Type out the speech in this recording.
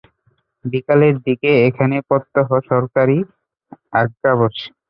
বিকালের দিকে এখানে প্রত্যহ সরকারি আজ্ঞা বসে।